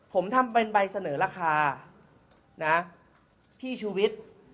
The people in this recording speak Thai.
ผมทำเป็นใบเสนอราคาพี่ชุวิต